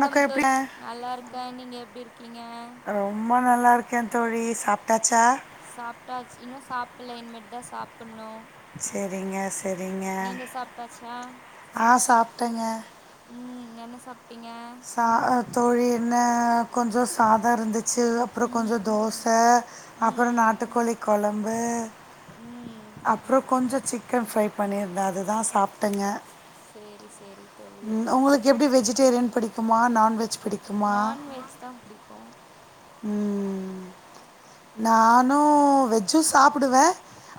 க்கம் எப்படி தோழி நல்லா இருக்கே நீங்க எப்படி இருக்கீங்க ரொம்ப நல்லாருக்கே தோழி சாப்ட்டாச்சா சாப்ட்டாச் இன்னு சாப்ல இன்னுமேட்டிதா சாப்புணு செரிங்க செரிங்க சாப்பிட்டாச்சா ஆ சாப்ட்டேங்க ம் என்ன சாப்ட்டிங்க த ஆ தோழி என்ன கொஞ்சோ சாத இருந்துச்சு அப்றோ கொஞ்சோ ம் தோச அப்பறோ ம் நாட்டுக்கோழி கொழம்பு ம் அப்றோ கொஞ்ச சிக்கன் ஃப்ரை பண்ணிருந்தே அது தா சாப்ட்டேங்க சேரி சேரி ம் உங்களுக்கு எப்டி வெஜிடேரியன் பிடிக்குமா நான்வெஜ் பிடி நான்வெஜ் தா புடிக்கும் உ நானு வெஜ்ஜு சாப்பிடுவே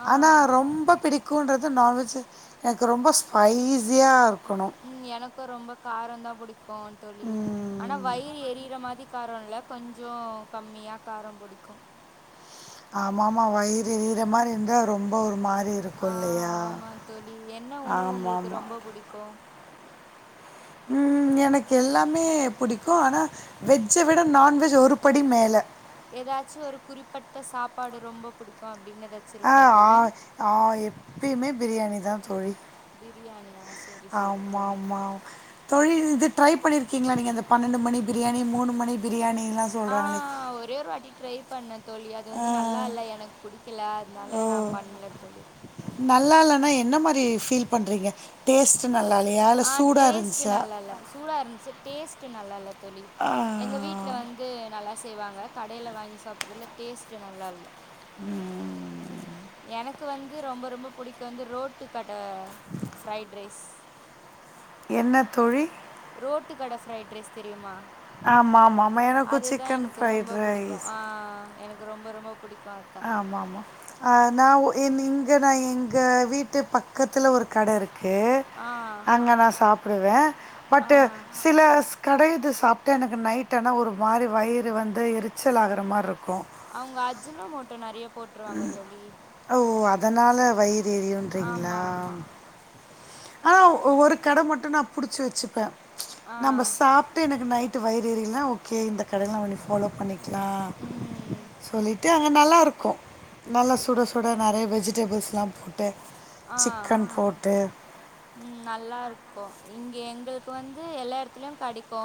ஆ ஆனா ரொம்ப பிடிக் குன்றது நான்வெஜ் எனக்கு ரொம்ப ஸ்பைஸியா இருக்கணு ம் எனக்கும் ரொம்ப காரோதா புடிக்கும் தோழி ஆனா ம். வயிறு எரியிற மாரி காரோல்ல கொஞ்சோ கம்மியா காரோ புடிக்கும் ஆமாமா வயிறு எரியுற மாரி இருந்தா ரொம்ப ஒரு மாரி ஆ இருக்கும் இல்லையா? ஆமா தோழி என்ன உணவு உங்களுக்கு ஆமாமா. ரொம்ப புடிக்கும் ம் எனக்கு எல்லாமே புடிக்கும் ஆனா வெஜ்ஜ விட நான்வெஜு ஒரு படி மேல ஏதாச்சு ஒரு குறிப்பட்ட சாப்பாடு ரொம்ப புடிக்கும் அப்படின்னு எதாச்- ஆ ஆ ஆ எப்பயுமே பிரியாணி தா தோழி பிரியாணியா சேரி சேரி தோழி ஆ தோழி இது ட்ரை பண்ணியிருக்கீங்களா நீங்க அந்த பன்னெண்டு மணி பிரியாணி மூணு மணி பிரியாணிலா ஆ ஒரே ஒரு வாட்டி ட்ரை- பண்ண தோழி அது அ வந்து நல்லா இல்ல எனக் புடிக்கல அத்னால நா பண்ல தோழி நல்லா இல்லனா என்ன மாரி ஃபீல் பண்றீங்க டேஸ்ட் நல்லாலயா ஆ டேஸ்ட் நல்லால சூடா இருந்துச்சு டேஸ்ட் நல்லால தோழி ஆ எங்க வீட்- வீட்டுல வந்து நல்லா செய்வாங்க கடையில வாங்கி சாப்பிட்றதுல டேஸ்ட்டு நல்லால ம் எனக்கு வந்து ரொம்ப ரொம்ப புடிக்கும் வந்து ரோட்டு கட ஃப்ரைட் ரைஸ் என்ன தோழி ரோட்டு கட ஃப்ரைட் ரைஸ் தெரியுமா ஆமாமாமா. எனக்கும் அதுதா சிக்கன் எனக்கு ஃப்ரைட் ரொம்ப புடிக்கு ரைஸ். ஆ எனக்கு ரொம்ப ரொம்ப புடிக் ஆமா ஆமா ஆனா ஒ என் இங்குன எங்க வீட்டு பக்கத்துல ஒரு கட இருக் கு ஆ அங்க நா சாப்புடுவே ஆ பட்டு சில ஸ் கடையிது சாப்ட்டு எனக்கு நைட் ஆனா ஒரு மாரி வயிறு வந்து எரிச்சல் ஆகுறமாயிருக்கு அவங்க அஜுனமோட்டோ நெறைய போட்- ம் ஓ அதனால வயிறு எரியுன்றீங்ளா ஆமாம் ஆமாம் ஆனா ஒரு கட மட்டு நா புடிச்சு வெச்சுப்பே ஆ நம்ப சாப்பிட்டு எனக்கு நைட் ட்டு வயிறு எறியலனா ஓகே இந்த கடையில இனி நம்ம ஃபாலோ பண்ணிக்கலா ம் சொல்லிட்டு அங்க நல்லா இருக்கு நல்லா சுட சுட நெறைய வெஜிடபிள்ஸ்லா போட்டு ஆ சிக்கன் போட்டு ம் நல்லா இருக்கு இங்க எங்களுக்கு வந்து எல்லா எடத்துலயு கெடைக்கு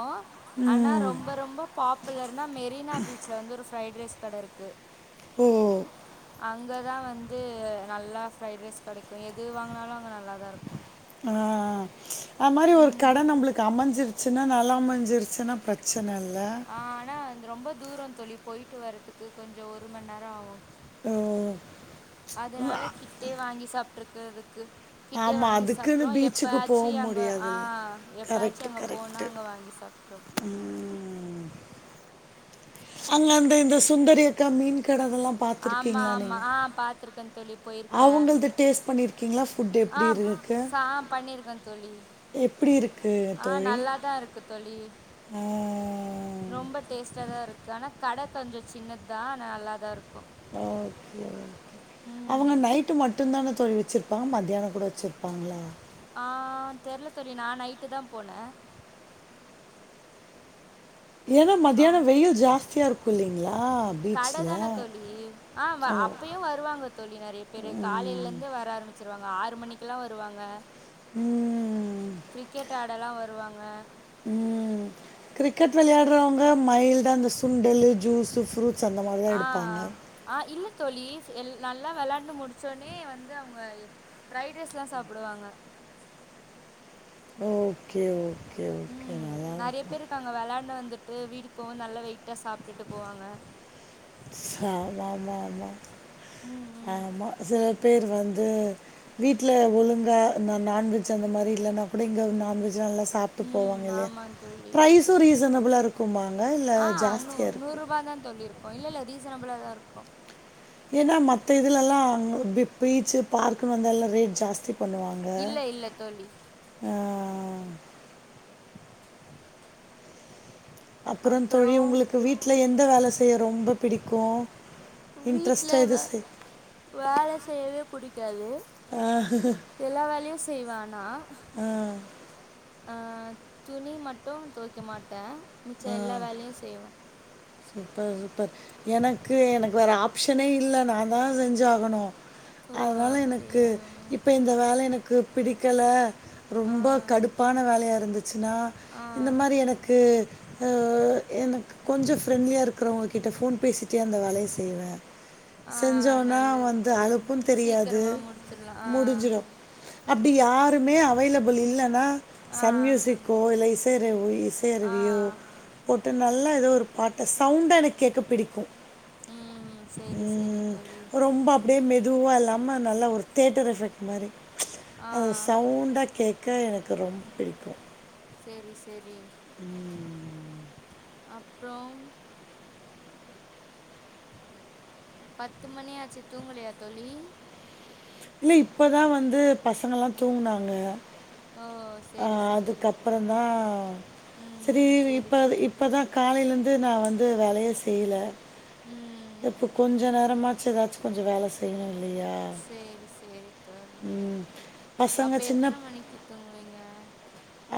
ஆனா ம் ரொம்ப ரொம்ப பாப்புலர்னா மெரினா பீச்ல வந்து ஒரு ஃப்ரைைட் ரைஸ் கட இருக்கு ஓ அங் அங்கதா வந்து நல்லா ஃப்ரைட் ரைஸ் கெடைக்கு எது வாங்கினாலு அங்க நல்லா தா இருக்கு ஆ அது மாரி ஒரு கட நம்மளுக்கு அமஞ்சிருச்சுனா நல்லா அமஞ்சிருச்சுனா பிரச்சன இல்ல ஆனா அந்த ரொம்ப தூரோ தோழி போயிட்டு வர்றதுக்கு கொஞ்சோ ஒரு மண்நேரோ ஆகு ஓ அதனால கிட்டே வாங்கி சாப்ட்ருக்குதுக்கு கிட்டே ஆமா வாங்கி அதுக்குன்னு சாப்பிட்றோ பீச்சுக்கு போ எப்பயாச்சி அங்க ஆ முடியாதுல்ல எப்பயாச்சு அங்க போனா அங்க வாங்கி சாப்பிட்றோ ம் அங்க அந்த இந்த சுந்தரி அக்கா மீன் கட அதெல்லா ஆமா ஆமா ஆ பாத்திருக்கேன்னு தோழி போயிருக்கே அவங்களது டேஸ்ட் பண்ணிரு ஆ சா பண்ணிருக்கே தோழி எப்படி இருக்கு ஆ தோழி நல்லாதா இருக்கு தொழி ரொம்ப டேஸ்ட்டா தா இருக்கு ஆனா கட கொஞ்சோ சின்னதா ஆனா நல்லாதா இருக்கு ஓகே அவங்க ம் நைட்டு மட்டுதான தோழி வெச்சுருப்பா மத்யானோ கூட வெச்சுருப்பாங்ளா ஆ தெர்ல தோழி நா நைட்டு தா போனே ஏன்னா மத்தியானோ அவ் வெயில் ஜாஸ்தியா இருக்கு இல்லிங்களா கடை பீச்சில தானே தோழி ஆ அப்பயு வருவாங்க தோழி நெறைய பேரு காலையில கே வர ஆரம்பிச்சிருவாங்க ஆறு மணிக்கில்லா வருவாங்க ம் கிரிக்கெட் ஆடலா வருவாங்க ம் கிரிக்கெட் வெளாட்றவங்க மைல்டா இந்த சுண்டலு ஜூஸு ஃப்ரூட்ஸ் அந்த மாரி தா ஆ எடுப்பாங்க ஆ இல்ல தோழி எல் நல்லா வெளாண்டு முடிச்சோனே வந்து அவங்க ஃப்ரைட் ரைஸ்லா சாப்புடுவாங்க ஓகே ஓ ம் நெறைய பேர் இருக்காங்க வெளாண்டு வந்துட்டு வீட்டுக்கு போவ நல்லா வெயிட்டா சாப்பிட்டுட்டு போவாங்க ம் [unintelligible] ம் ஆமா சில பேர் வந்து வீட்ல ஒழுங்கா இந்த நான்வெஜ் அந்த மாரி இல்லன்னா கூட இங்க நான்வெஜ் நல்லா சாப்- ட்டு ம் போவாங்க இல்லயா ஆமாம் தோழி பிரைசு ரீசனபிளா இருக்குமாங்க இல்ல ஜாஸ்தியா இருக் [unintelligible] தா தோழி இருக்கு இல்ல இல்ல ரீசனபிளா தா இருக்கு ஏன்னா மத்த இதுலெல்லா ஒ பீ பீச்சு பார்க்குன்னு வந்துல்லா ரேட் ஜாஸ்தி பண்ணுவாங்க இல்லை இல்லை தோழி ம் அப்பறோ தோழி அப்புறம் உங்களுக்கு வீட்டுல எந்த வேல செய்ய ரொம்ப பிடிக்கு வீட்ல வ-வேல செய்யவே புடிக்காது ஆ. எல்லா வேலையு செய்வே ஆனா ஆ, ஆ துணி மட்டு தொவைக்க மாட்டே மிச்ச எல்லா வேலையு செய்வே சூப்பர் சூப்பர் எனக்கு எனக்கு வேற ஆப்ஷனே இல்ல நா தா செஞ்சு ஆகனு ஓ அதனால எனக்கு அப்டியா இப்ப இந்த வேல எனக்கு பிடிக்கல ஆ ரொம்ப கடுப்பான வேலையா இருந்துச்சுன்னா ஆ இந்த மாறி எனக்கு ஒ எனக்கு கொஞ்ச ஃப்ரெண்ட்லியா இருக்கிறவங்ககிட்ட ஃபோன் பேசிட்டே அந்த வேலைய செய்வே ஆ செஞ்சோனா நல்லது வந்து தோழி அழுப்பு தெரியாது சீக்கிரமா முடிச்சிடலா ஆ முடிஞ்சிடு அப்டி யாருமே அவைலபுள் இல்லைனா ஆ சன் மியூசிக்கோ இல்ல இசையருவி இ ஆ சைருவியோ போட்டு நல்லா ஏதோ ஒரு பாட்ட சவுண்டா எனக்கு கேக்க பிடிக்கு ம் சேரி சேரி ம் தோழி ரொம்ப அப் டியே மெதுவா இல்லாம நல்லா ஒரு தியேட்டர் எஃபெக்ட் மாரி ஆ அத சவுண்டா கேக் க எனக்கு ரொம்ப பிடிக்கு சேரி செரி ம் அப்றோ பத்து மணியாச்சு தூங்கலையா தோழி இல்ல இப்பதா வந்து பசங்கல்லா தூங்னாங்க ஓ ஆ சரி, சரி. அதுக்கப்றோ தா செரி ம். சரி, இப்ப சரி இப்பதா தோழி. காலையிந் து நா வந்து வேலயே செய்யில ம். இப்ப கொஞ்ச நேரமாச்சு ஏதாச்சு கொஞ்சோ வேல செய்யிணு இல்லையா சேரி சேரி தோழி ம். பசங்க அப்ப சின்ன எத்தன மணிக்கு தூங்குவீங்க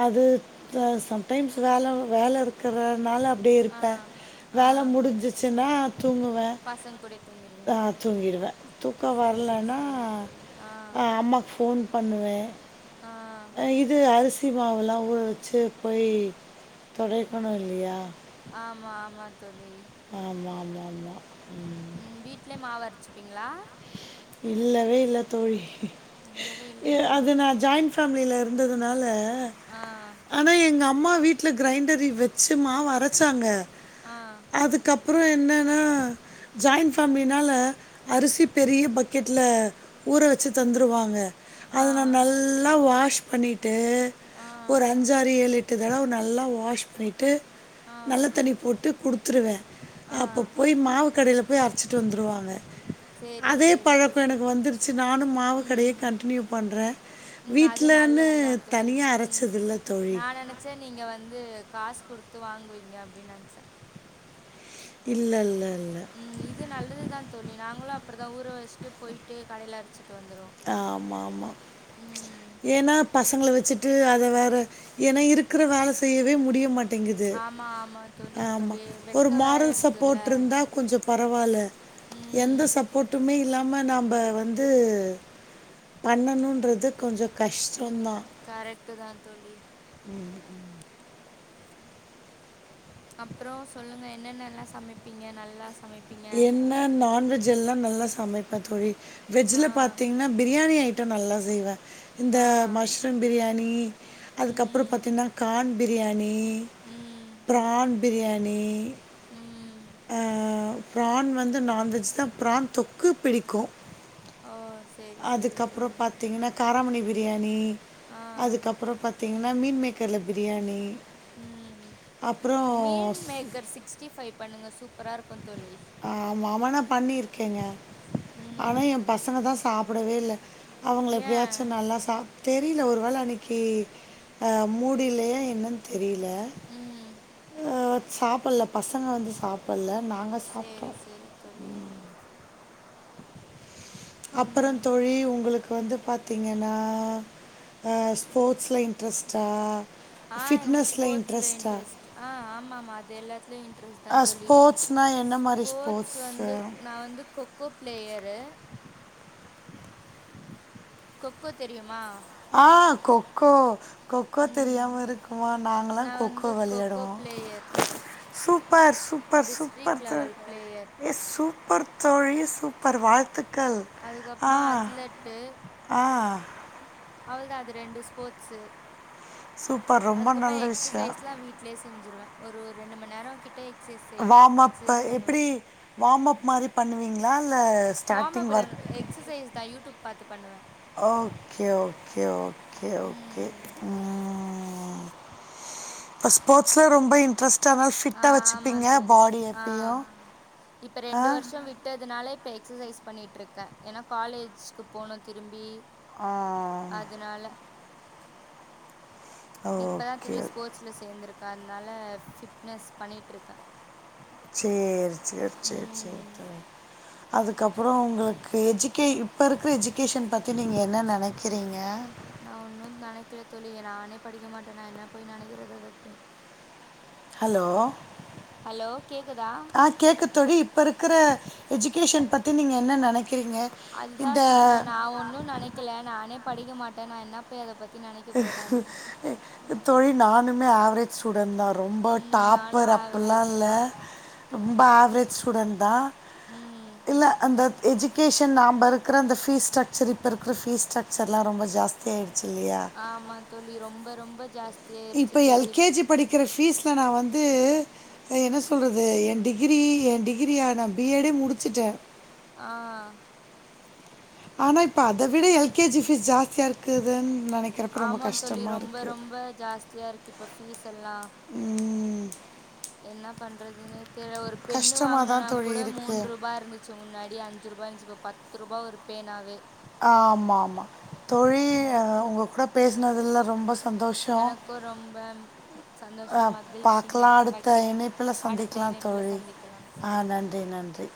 அது ச சம்டைம்ஸ் வேல வேல இருக்கறனால அப்டியே ஆ, இருப்பே ஆ. வேல முடிஞ்சிச்சுன்னா தூங்குவே பசங்க கூடயே ஆ தூங்கிருவீங்க. தூங்கிடுவே தூக்கோ சரி, வர்லன்னா சரி தோழி. ஆ, அ அம்மாக்கு ஃபோன் பண்ணுவே ஆ இது அரிசி மாவுல்லா ஊர வச்சு போய் தொடைக்கணு இல்லயா ஆமா ஆமா தோழி ஆமா ஆமா ஆமா ம் ம் வீட்லயே மாவு அரைச்சுப்பீங்களா இல்லவே இல்ல தோழி இல்லவே எ இல்லையா? அது நா ஜாண்ட் ஃபேமிலியில இருந்ததுனால ஆ ஆனா எங்க அம்மா வீட்ல கிரைண்டரி வெச்சு மாவு அரைச்சாங்க ஆ அதுக்கப்றோ என்னன்னா ஜாயின் ஃபேமிலினால அரிசி பெரிய பக் கெட்டுல ஊற வச்சு தந்துடுவாங்க அத ஆ, நா நல்லா வாஷ் பண்ணிட் டு ஆ, ஒரு அஞ்சாறு ஏழு எட்டு தடவ நல்லா வாஷ் பண்ணிட்டு ஆ, நல்ல தண்ணி போட்டு குடுத்துருவே ஆ. அப்ப போய் மாவு கடைல போய் அரைச்சிட்டு வந்துருவாங்க சேரி சேரி அப்ப எனக்கு வந்துருச்சி நானு மாவு கடையே கன்டினியூ பண்ற ம். அது வீட்லன்னு நல்லது தனியா அரச்சதில்ல தோழி நா நெனைச்சே நீங்க வந்து காசு குடுத்து வாங்குவீங்க அப்டின் நென்ச்ச இல்ல இல்ல இல்ல ம் இது நல்லது தா தோழி நாங்களு அப்டி தா ஊர வச்சுட்டு போய்ட்டு கடையில அரச்சிட்டு வந்துருவோ ஆமாமா ஏனா பசங்கள வச்சிட்டு அத வேற ஏனா இருக் க்குற வேல செய்யவே முடிய மாட்டேங்கிது ஆமா, ஆமா தோழி. இப்ப ஆமா வெ ஒரு வெக்க வேற மாரல் இருக்குல்ல. சப்போட்ருந்தா கொஞ்சோ பரவால்ல ம். எந்த சப்போட்டுமே இல்லாம நம்ப வந்து பண்ணனுன்றது கொஞ்ச கஷ்டோதா கரெக்டு தா தோழி ம் ம் அப்றோ சொல்லுங்க என்னென்னல்லா சமைப்பீங்க நல்லா சமைப்பீங்க? என்ன நான்வெஜ் எல்லா நல்லா சமைப்ப தோழி ஆ, வெஜ்ல பாத்தீங்கனா பிரியாணியை ட்ட நல்லா செய்வே இந்த ஆ. மஷ்ரூம் பிரியாணி அதுக்கப்றோ ம். பாத்தீனா கான் பிரியாணி ம். ப்ரான் பிரியாணி ம் ஆ ப்ரான் வந்து நான்வெஜ் தா ப்ரான் தொக்கு பிடிக்கு ஆ சேர் அதுகப்றோ பாத்தீங்கனா காராமணி பிரியாணி ஆ. அதுக்கப்றோ பாத்தீங்கனா மீன் மேக்கர்ல பிரியாணி ம் அப்புறம் meals maker sixty five பண்ணுங்க சூப்பரா இருக்கு தோழி ஆமா ஆமானா பண்ணிருக்கேங்க ம். ஆனா எ பசங்க தா சாப்டவே இல்ல அவங்கள எப்டியாச்சு ஏன்? நல்லா சாப் தெரியில ஒரு வேள அன்னைக்கி அ மூடு இல்லையா என்னன் தெரியில ம். அ சாப்பல்ல பசங்க வந்து சாப் பல்ல நாங்க சாப்ட்டோ சரி, சரி தோழி. ம் அப்றோ ம். தோழி உங்களுக்கு வந்து பாத்தீங்கனா அ ஸ்போட்ஸ்ல இன்ட்ரஸ்ட்டா ஆ எனக்கு ஸ்போட்ஸ்ல இன்ட்ரஸ்ட் ஆ ஆமாமா அது எல்லாத்துலயு இன் டிரஸ் தா அ தோழி ஸ்போர்ட்ஸ்னா என்ன மாரி ஸ்போட்ஸ் ஸ்போர்ட்ஸு? வந்து நா வந்து கொ கோ பிளேயரு கொக்கோ தெரியுமா ஆ கொக்கோ கொக்கோ ம். தெரியாம இருக்குமா நாங்கல்லா நான் கொக்கோ வந்து கொக்கோ வெளையாடுவோ player. Super super super district தோ லெவல் பிளேயர். ஏ சூப் ப்பர் தோழி சூப்பர் வாழ்த்துக்கள் ஆ அதுக்கப்புறமா அத்லெட்டு. ஆ அவள்தா அது ரெண்டு ஸ்போட்ஸு சூப்பர் ரொம்ப அதுக்கப்றோ நல்ல எக்ஸர் விஷயம் சைஸ்லா வீட் டேலே செஞ்சிருவே ஒரு ஒரு ரெண்டு மண் நேரோ கிட்ட எக்சைஸ் செய் எக்சைஸ் பண்ணுவே வாம் அப் மாரி பண்ணுவீங்ளா இல்ல வாம்அப் இல்ல ந எக்ஸசைஸ் தா யூடூப் பாத்து பண்ணுவே ஓகே ஓகே ஓகே ஓகே ம் ம் அ ஸ்போட்ஸ்ல ரொம்ப இன்ட்ரஸ் ஆ ஆமா தோழி ஆ எப்பயும் இப்ப ரெண்டு வருஷ விட் டதுனால இப்ப எக்ஸசைஸ் பண்ணிட்ருக்கே ஏனா காலேஜ்க்கு போனு திரும்பி ஆ னால இப்பதா ஓகே த்ரி ஸ்போர்ட்ஸ்ல சேந்துருக்க அதனால ஃபிட்னஸ் பண்ணிட்டு இருக்கே சேரி சேரி சேர் சேர் ம் சேர் அதுக்கப்றோ உங்களுக்கு எஜிகே இப்ப இருக்கிற எஜிகேஷன் பத்தி நீங்க என்ன நெனக்கிறீங்க நா ஒன்னு நெனைக்கல தோழி நானே படிக்க மாட்டே நா என்ன போய் நெனைக்கிறது அத போய் ஹலோ ஹலோ கேக்குதா ஆ கேக்குத்தோழி இப்ப இருக்கிற எஜுகேஷன் பத்தி நீங்க என்ன நெனைக்கிறீங்க அதுதா சொன்னே நா ஒன்னு நெனைக்கல நானே படிக்க மாட்டே நா என்ன போய் அத பத்தி நெனைக்க போறே அப்டி தோழி நானுமே ஏவேரேஜ் ஸ்டூடெண்ட் தா ரொம்போ ம் நானு டாப்பர் அப்ல்லா ஆவரேஜ் இல்ல தா ரொம்ப ஏவேரேஜ் ஸ்டூடென் தா ம் இல்ல அந்த எஜுகேஷன் நாம்ப இருக்குற அந்த ஃபீஸ் ஸ்ட்ரக்சர் இப்ப இருக்குற ஃபிஸ் ஸ்டரக்சர்லா ரொம்போ ஜாஸ்தி ஆயிடுச்சி இல்லியா ஆமா தோழி ரொம்ப ரொம்ப ஜாஸ்தி இப்ப எல் கே ஜி படிக்கிற ஃபீஸ்ல நா வந்து என்ன சொல்றது எ டிகிரி எ டிகிரியா நா பி எட் டே முடிச்சிட்டே ஆ ஆனா இப்ப அத விட எல் கே ஜி பீஸ் ஜாஸ்தியா இருக்குதுன் நெனைக் ஆமாங் தோழி ரொம்ப ரொம்ப ஜாஸ்தியா இருக்கு இப்ப ஃபீஸ் எல்லா ம் என்ன பண்றதுன்னே தெரில ஒரு பென்னு கஷ்டமாக தான் வாங்கனுன்னா தோழி கூட இருக்குது மூண்ருபா இருந் ச்சு முன்னாடி அஞ்சுருபா இருந்துச்சு இப்ப பத்துருபா ஒரு பேனாவே ஆமாமா தோழி உங்க கூடப் பேசினதுல ரொம்ப சந்தோஷ எனக்கும் ரொம்ப அ சந்தோஷம் மகிழ்ச்சிங்க பாக்கலா அடுத்த வைக்கிறேன் இணை ப்பில அடுத்த சந்திக்கலா இணைப்பில் தோழி சந்திக்கலாம் ஆ தோழி நன்றி நன்றி